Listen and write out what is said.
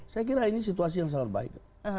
saya kira ini situasi yang sangat baik